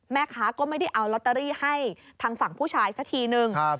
แม่ค้าก็ไม่ได้เอาลอตเตอรี่ให้ทางฝั่งผู้ชายสักทีนึง